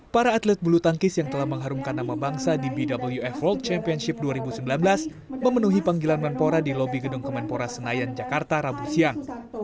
para atlet bulu tangkis yang telah mengharumkan nama bangsa di bwf world championship dua ribu sembilan belas memenuhi panggilan menpora di lobi gedung kemenpora senayan jakarta rabu siang